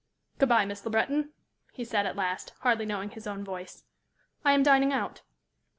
"Good bye, Miss Le Breton," he said, at last, hardly knowing his own voice. "I am dining out."